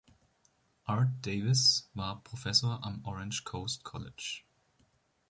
Art Davis war Professor am Orange Coast College.